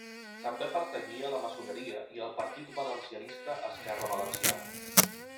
També pertanyia a la maçoneria i al partit valencianista Esquerra Valenciana.